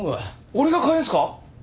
俺が換えんすか？